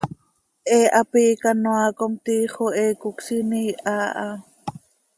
He hapi hicanoaa com, tiix oo he cocsiin iiha ha.